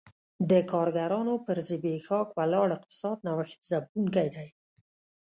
د کارګرانو پر زبېښاک ولاړ اقتصاد نوښت ځپونکی دی